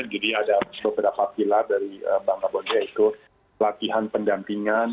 jadi ada beberapa pilar dari bangga buat indonesia yaitu latihan pendampingan